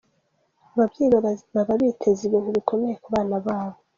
Ababyeyi baba biteze ibintu bikomeye ku bana babo.